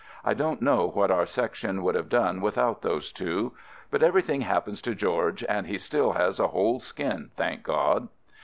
I don't know what our Sec tion would have done without those two. But everything happens to George and he still has a whole skin, thank God!